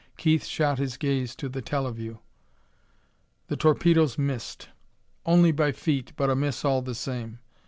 Keith shot his gaze to the teleview. The torpedoes missed. Only by feet, but a miss all the same.